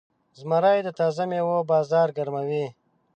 زمری د تازه میوو بازار ګرموي.